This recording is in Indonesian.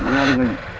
nina ada ngejar